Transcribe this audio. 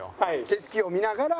景色を見ながら。